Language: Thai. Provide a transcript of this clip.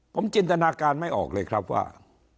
ผมจินตนาการไม่ออกเลยครับว่า